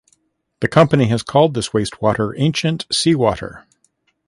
The company has called this wastewater "ancient seawater".